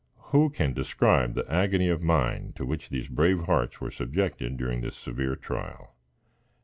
Who can describe the agony of mind to which these brave hearts were subjected during this severe trial.